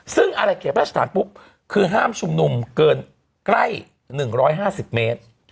ซึ่งอะไรเขตพระราชฐานปุ๊บคือห้ามชุมนุมเกินใกล้๑๕๐เมตร